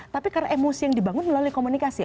tapi karena emosi yang dibangun melalui komunikasi